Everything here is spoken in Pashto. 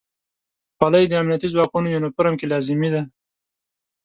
خولۍ د امنیتي ځواکونو یونیفورم کې لازمي ده.